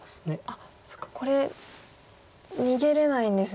あっそっかこれ逃げれないんですね。